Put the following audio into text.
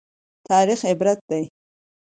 تاریخ عبرت دی